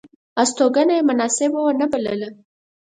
هستوګنه یې مناسبه ونه بلله.